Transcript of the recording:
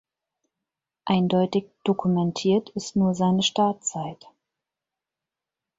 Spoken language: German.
Eindeutig dokumentiert ist nur seine Startzeit.